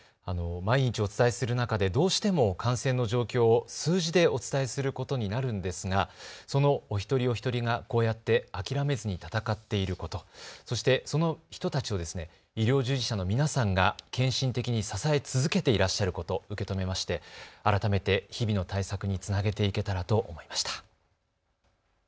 毎日お伝えする中でどうしても感染の状況を数字でお伝えすることになるんですがそのお一人お一人がこうやって諦めずに闘っていること、そしてその人たちを医療従事者の皆さんが献身的に支え続けていらっしゃること、受け止めまして改めて日々の対策につなげていけたらと思いました。